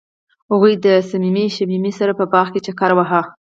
هغوی د صمیمي شمیم سره په باغ کې چکر وواهه.